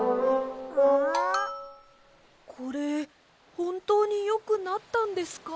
これほんとによくなったんですか？